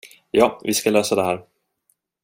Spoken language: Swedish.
Ja, vi ska lösa det här.